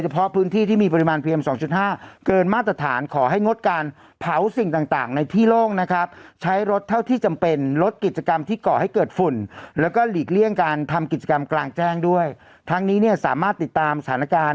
เพื่อเสนอต่อคอดมอลแล้วก็ไปคณะกรรมการ